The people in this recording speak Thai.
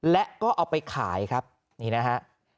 และก็เอาไปขายครับนี่นะฮะ